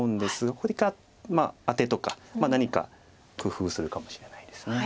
それかアテとか何か工夫するかもしれないです。